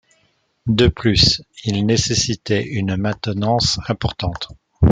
De plus, il nécessitait une maintenance importante.